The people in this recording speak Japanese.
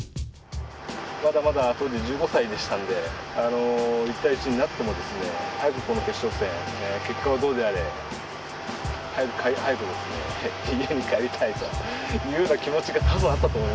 まだまだ当時１５歳でしたんで１対１になってもですね早くこの決勝戦結果はどうであれ早く家に帰りたいというような気持ちが多分あったと思いますね。